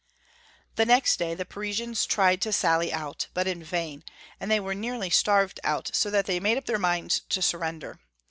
The next day the Parisians tried to sally out, but in vain, and they were nearly starved out, so that they made up their minds to surrender.